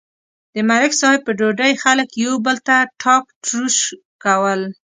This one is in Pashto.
د ملک صاحب په ډوډۍ خلک یو بل ته ټاک تروش کول.